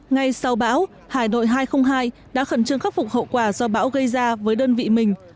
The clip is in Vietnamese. ngay sau bão hải đội hai trăm linh hai đã khẩn trương khắc phục hậu quả do bão gây ra với đơn vị mình